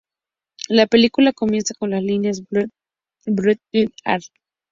La película comienza con las líneas: ""Breathe, breathe in the air"".